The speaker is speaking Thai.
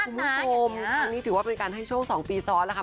คุณผู้ชมที่นี่ถือว่าเป็นการให้โชค๒ปีซอสนะคะ